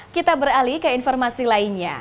kita beralih ke informasi lainnya